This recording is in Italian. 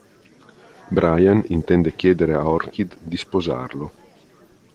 Brian intende chiedere a Orchid di sposarlo.